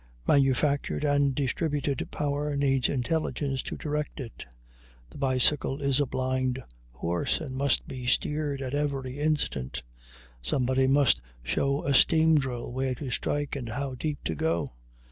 Manufactured and distributed power needs intelligence to direct it: the bicycle is a blind horse, and must be steered at every instant; somebody must show a steam drill where to strike and how deep to go.